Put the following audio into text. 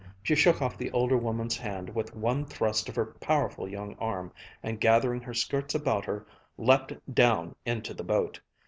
She shook off the older woman's hand with one thrust of her powerful young arm, and gathering her skirts about her, leaped down into the boat.